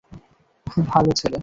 খুব ভালো ছেলে।